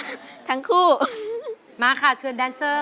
กลับไปก่อนที่สุดท้าย